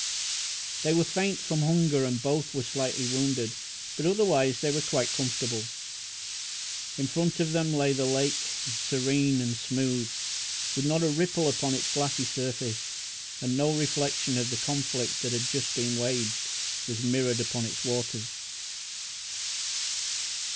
They were faint from hunger, and both were slightly wounded, but otherwise they were quite comfortable. In front of them lay the lake, serene and smooth, with not a ripple upon its glassy surface, and no reflection of the conflict that had just been waged was mirrored upon its waters.